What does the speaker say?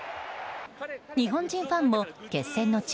日本人ファンも決戦の地